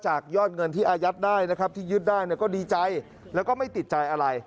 ยอดเงินที่อายัดได้นะครับที่ยึดได้เนี่ยก็ดีใจแล้วก็ไม่ติดใจอะไร